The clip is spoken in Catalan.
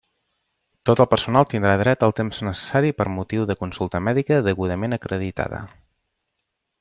Tot el personal tindrà dret al temps necessari per motiu de consulta mèdica degudament acreditada.